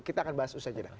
kita akan bahas itu saja